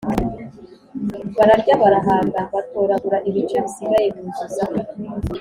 Bararya barahaga batoragura ibice bisigaye buzuza